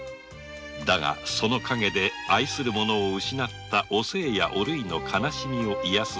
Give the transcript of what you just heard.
だがその陰で愛する者を失ったおせいやおるいの悲しみをいやすすべはない。